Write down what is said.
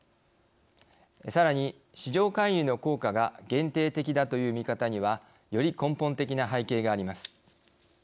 さらに市場介入の効果が限定的だという見方にはより根本的な背景があります。